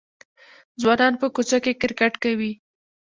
ځوانان په کوڅو کې کرکټ کوي.